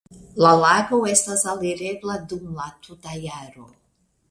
La lago estas alirebla dum la tuta jaro.